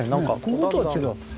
こことは違う。